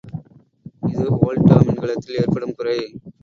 இது ஒல்ட்டா மின்கலத்தில் ஏற்படும் குறை.